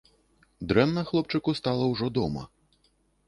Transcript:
Дрэнна хлопчыку стала ўжо дома.